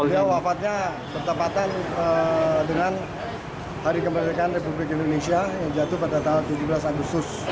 beliau wafatnya bertepatan dengan hari kemerdekaan republik indonesia yang jatuh pada tanggal tujuh belas agustus